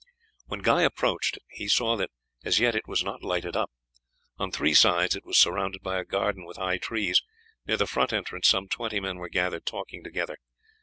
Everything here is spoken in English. When Guy approached it he saw that as yet it was not lighted up. On three sides it was surrounded by a garden with high trees; near the front entrance some twenty men were gathered talking together.